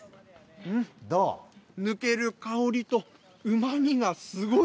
抜ける香りとうまみがすごい。